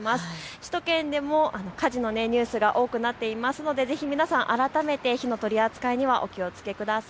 首都圏でも火事のニュースが多くなっていますのでぜひ皆さん改めて火の取り扱いにはお気をつけください。